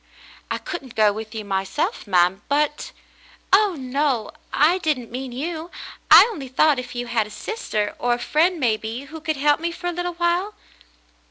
"I couldn't go with you myself, ma'm — but —" "Oh, no ! I didn't mean you. I only thought if you had a sister — or a friend, maybe, who could help me for a little while."